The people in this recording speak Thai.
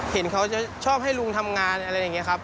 เห็นเขาจะชอบให้ลุงทำงานอะไรอย่างนี้ครับ